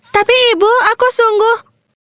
tapi ibu aku sungguh